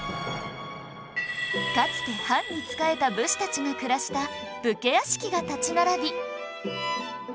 かつて藩に仕えた武士たちが暮らした武家屋敷が立ち並び